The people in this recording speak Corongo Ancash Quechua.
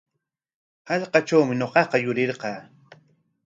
Hallqatrawmi ñuqaqa yurirqaa.